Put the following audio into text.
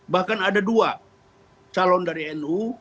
bahkan ada dua calon dari nu